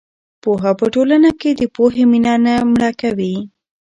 پوهه په ټولنه کې د پوهې مینه نه مړه کوي.